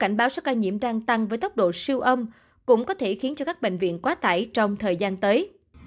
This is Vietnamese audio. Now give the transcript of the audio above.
cảnh báo số ca nhiễm đang tăng với tốc độ siêu âm cũng có thể khiến cho các bệnh viện quá tải trong thời gian tới